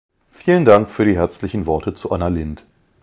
Vielen Dank für die herzlichen Worte zu Anna Lindh.